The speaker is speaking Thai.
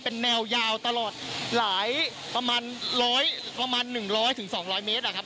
เป็นแนวยาวตลอดหลายประมาณร้อยประมาณหนึ่งร้อยถึงสองร้อยเมตรอ่ะครับ